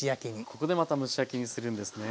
ここでまた蒸し焼きにするんですね。